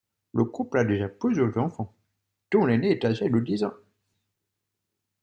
Le couple a déjà plusieurs enfants dont l'aîné est âgé de dix ans.